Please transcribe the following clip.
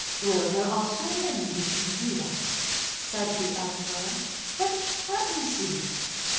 "" Well, there are so many wishing to do that," said the Emperor; " but let me see!